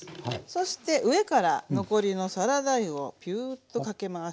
そして上から残りのサラダ油をピューッとかけ回します。